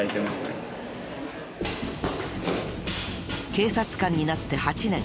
警察官になって８年。